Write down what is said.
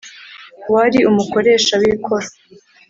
wari umukoresha w ikoro